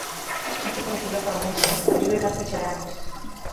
Katika ukurasa wa mwisho, aliweka picha yake